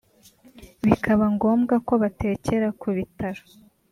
bikaba ngombwa ko batekera ku bitaro